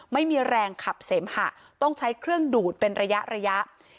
ไม่มีแรงขับเสมหะต้องใช้เครื่องดูดเป็นระยะ